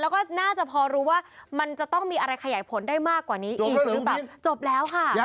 แล้วก็น่าจะพอรู้ว่ามันจะต้องมีอะไรขยายผลได้มากกว่านี้อีกหรือเปล่าจบแล้วค่ะ